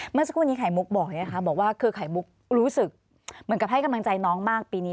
เมื่อสักวันนี้ข่ายมุกบอกว่าข่ายมุกรู้สึกเหมือนกับให้กำลังใจน้องมากปีนี้